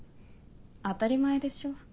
当たり前でしょ？